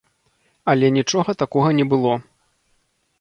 Але нічога такога не было.